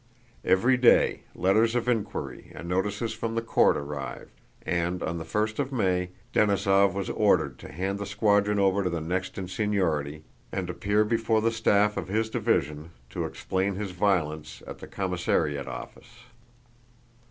Every day, letters of inquiry and notices from the court arrived, and on the first of May, Denísov was ordered to hand the squadron over to the next in seniority and appear before the staff of his division to explain his violence at the commissariat office.